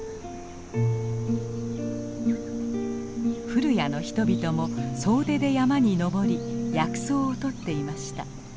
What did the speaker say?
古屋の人々も総出で山に登り薬草をとっていました。